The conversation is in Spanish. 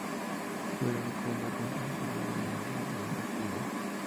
Fue el único hombre con facilidad en el agarre invertido.